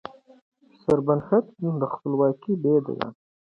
سرښندنه د خپلواکۍ بیه ده.